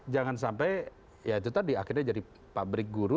jangan sampai ya itu tadi akhirnya jadi pabrik guru